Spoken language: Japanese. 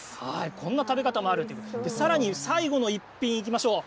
こんな食べ方もあると、さらに、最後の一品、いきましょう。